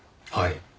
はい。